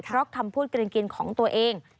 เพราะคำพูดกรินของตัวเอง